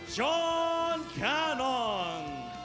จอห์นแคนนอน